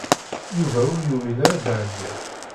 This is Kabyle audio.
Yuba ur yumin ara Dahbiya.